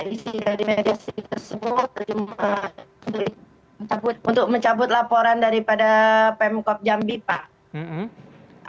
isi dari mediasi tersebut untuk mencabut laporan daripada pemkop jambi pak